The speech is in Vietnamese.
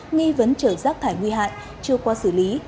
nghi vấn chở rác thải nguy hại chưa qua xử lý